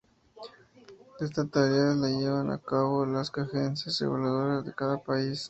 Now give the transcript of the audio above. Esta tarea la llevan a cabo las agencias reguladoras de cada país.